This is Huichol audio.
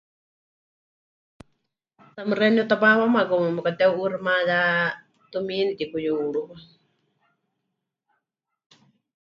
Xeeníu tapaapáma como memɨkateheu'uuximayá, tumiini pɨtikuyúruwa.